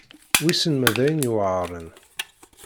Wissen ma d ayen yuεren.